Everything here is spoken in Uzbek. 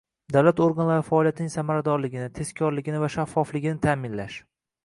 davlat organlari faoliyatining samaradorligini, tezkorligini va shaffofligini ta’minlash